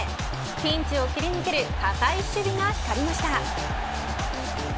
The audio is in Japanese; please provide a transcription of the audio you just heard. ピンチを切り抜ける堅い守備が光りました。